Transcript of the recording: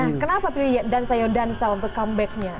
nah kenapa pilih dan sayo dan sa untuk comebacknya